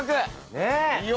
ねえ！